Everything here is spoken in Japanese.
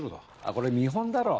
これ見本だろ。